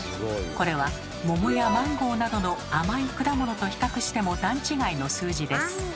これは桃やマンゴーなどの甘い果物と比較しても段違いの数字です。